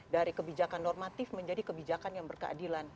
dari kebijakan normatif menjadi kebijakan yang berkeadilan